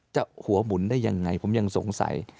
หัวหมุนได้ยังไงผมยังสงสัย